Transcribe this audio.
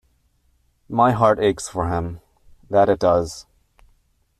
My heart aches for him; that it does!